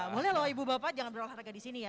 boleh lho ibu bapak jangan berolahraga di sini ya